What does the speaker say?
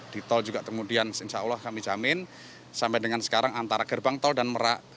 di tol juga kemudian insya allah kami jamin sampai dengan sekarang antara gerbang tol dan merak